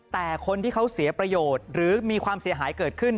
แต่คนที่เขาเสียประโยชน์หรือมีความเสียหายเกิดขึ้น